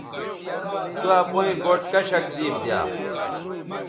تو اپئیں گوٹھ کشک زیب دیا